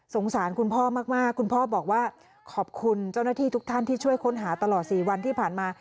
สารคุณพ่อมากคุณพ่อบอกว่าขอบคุณเจ้าหน้าที่ทุกท่านที่ช่วยค้นหาตลอด๔วันที่ผ่านมา